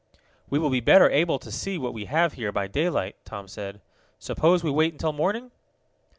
"We will be better able to see what we have here by daylight," Tom said. "Suppose we wait until morning?"